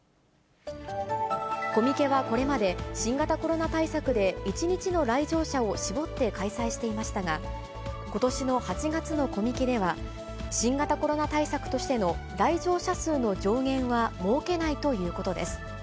コミケはこれまで、新型コロナ対策で１日の来場者を絞って開催していましたが、ことしの８月のコミケでは、新型コロナ対策としての来場者数の上限は設けないということです。